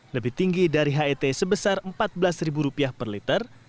lebih tinggi dari het sebesar rp empat belas per liter